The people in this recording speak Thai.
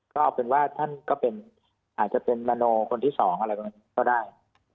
ก็เอาเป็นว่าท่านก็เป็นอาจจะเป็นมโนคนที่สองอะไรประมาณนี้ก็ได้